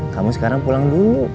kamu sekarang pulang dulu